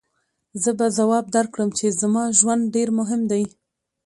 زه به ځواب درکړم چې زما ژوند ډېر مهم دی.